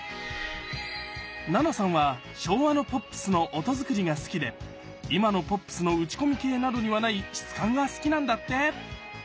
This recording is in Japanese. ナナさんは昭和のポップスの音作りが好きで今のポップスの打ち込み系などにはない質感が好きなんだって。